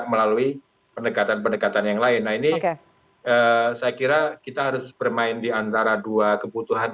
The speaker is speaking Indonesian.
melalui pendekatan pendekatan yang lain nah ini saya kira kita harus bermain diantara dua kebutuhan